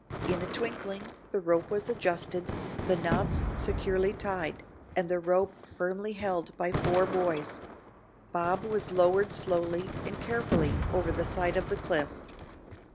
In a twinkling, the rope was adjusted, the knots securely tied, and the rope firmly held by four boys, Bob was lowered slowly and carefully over the side of the cliff.